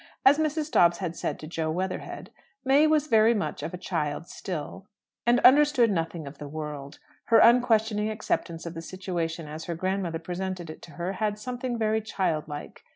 As Mrs. Dobbs had said to Jo Weatherhead, May was very much of a child still, and understood nothing of the world. Her unquestioning acceptance of the situation as her grandmother presented it to her had something very child like.